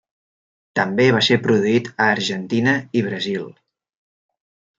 També va ser produït a Argentina i Brasil.